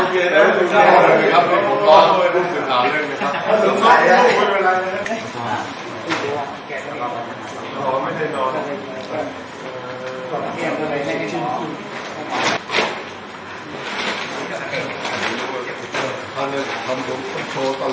ชาวขอนแก่นทุกคนยินดีต้อนรับยินดีต้อนรับทุกคน